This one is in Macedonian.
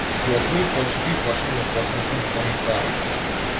Ги отворив очите и почнав да посматрам што ми прави.